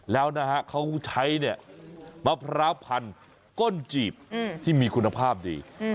แล้วนะฮะเขาใช้เนี่ยมะพร้าวพันธุ์ก้นจีบที่มีคุณภาพดี